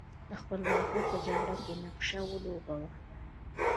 د خپلواکۍ په جګړه کې نقش ولوباوه.